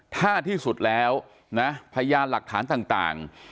ถ้าที่สุดแล้วนะพยานหลักฐานต่าง